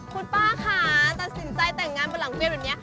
คุณป้าค่ะตัดสินใจแต่งงานบนหลังเวียนแบบนี้